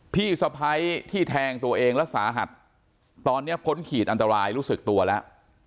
พี่สะพ้ายที่แทงตัวเองและสาหัสตอนนี้พ้นขีดอันตรายรู้สึกตัวแล้ว